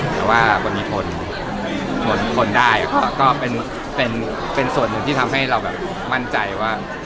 แต่ว่าวันนี้ทนทนทนได้ก็เป็นส่วนหนึ่งที่ทำให้เราแบบมั่นใจว่า